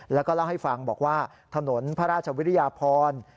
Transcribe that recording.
แล้วก็เล่าให้ฟังบอกว่าถนนพระราชวิริยาพร